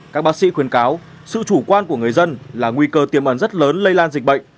các bác sĩ khuyên cáo sự chủ quan của người dân là nguy cơ tiềm ẩn rất lớn lây lan dịch bệnh